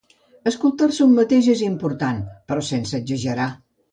Escoltar-se un mateix és important, però sense exagerar.